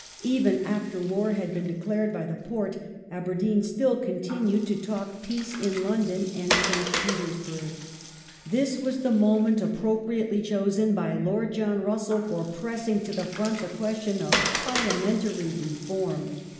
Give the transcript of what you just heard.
Even after war had been declared by the Porte, Aberdeen still continued to talk peace in London and St. Petersburg. This was the moment appropriately chosen by Lord John Russell for pressing to the front the question of Parliamentary reform.